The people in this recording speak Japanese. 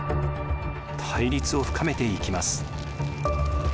対立を深めていきます。